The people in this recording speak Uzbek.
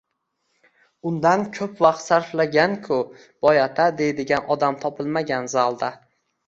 undan ko‘p vaqt sarflaganku boyota deydigan odam topilmagan zalda.